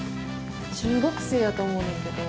中学生やと思うねんけど。